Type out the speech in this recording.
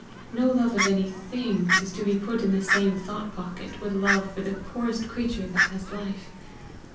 No love of any thing is to be put in the same thought pocket with love for the poorest creature that has life.